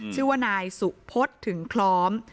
ชื่อว่านายสุพศถึงคล้อม